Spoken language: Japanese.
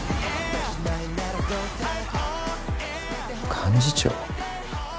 幹事長？